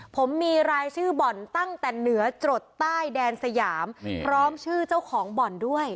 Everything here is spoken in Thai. ผมมีรายชื่อบ่อนตั้งแต่เหนือจรดใต้แดนสยามพร้อมชื่อเจ้าของบ่อนด้วย